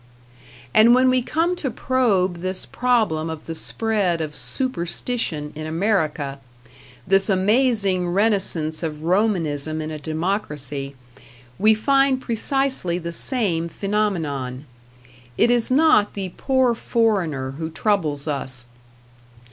And when we come to probe this problem of the spread of Superstition in America, this amazing renascence of Romanism in a democracy, we find precisely the same phenomenon. It is not the poor foreigner who troubles us.